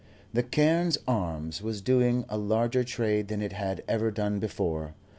The "Carne's Arms" was doing a larger trade than it had ever done before.